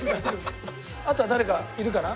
あとは誰かいるかな？